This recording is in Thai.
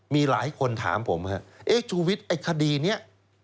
มีหลายคนถามผมครับชุวิตคดีนี้